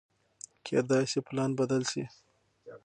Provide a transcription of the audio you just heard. کېدای شي پلان بدل شي.